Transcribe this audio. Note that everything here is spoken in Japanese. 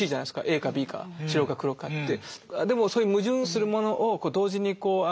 ＡかＢか白か黒かって。